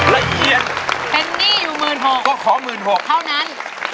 ละเอียดเพ็นนี่อยู่๑๖๐๐๐บาทเท่านั้น